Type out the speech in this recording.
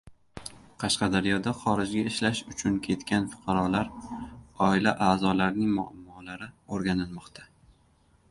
Qashqadaryoda xorijga ishlash uchun ketgan fuqarolar oila a’zolarining muammolari o‘rganilmoqda